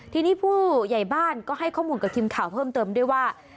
ทีนี้ผู้ใหญ่บ้านก็ให้ข้อมูลกับทีมข่าวเพิ่มเติมด้วยว่า